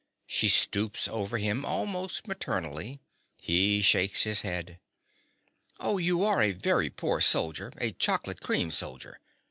(She stoops over him almost maternally: he shakes his head.) Oh, you are a very poor soldier—a chocolate cream soldier.